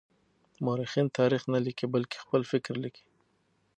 مورخين تاريخ نه ليکي بلکې خپل فکر ليکي.